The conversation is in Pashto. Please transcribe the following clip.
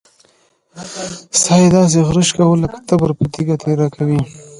سا يې داسې غژس کوه لک تبر په تيږه تېره کوې.